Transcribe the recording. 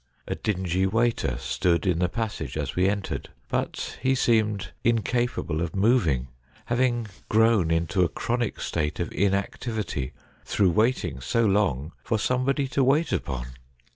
A dingy waiter stood in the passage as we entered, but he seemed incapable of moving, having grown into a chronic state of inactivity through wait ing so long for somebody to wait upon.